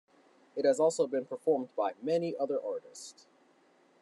It has also been performed by many other artists.